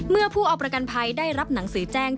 เมื่อผู้เอาประกันภัยได้รับหนังสือแจ้ง